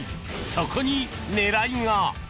そこに狙いが。